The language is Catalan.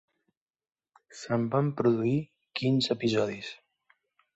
Se'n van produir quinze episodis.